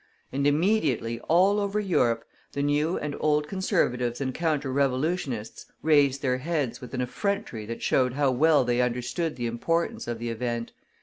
And immediately, all over Europe, the new and old Conservatives and Counter Revolutionists raised their heads with an effrontery that showed how well they understood the importance of the event.